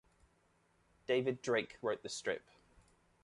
David Drake wrote the strip.